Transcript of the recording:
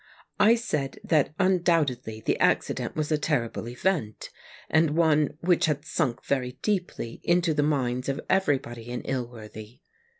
I said that undoubtedly the acci dent was a terrible event, and one which had sunk very deeply into the minds of everybody in Ilworthy.